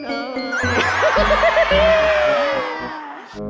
โอ้โอ้โอ้